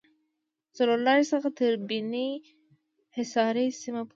له څلورلارې څخه تر بیني حصار سیمې پورې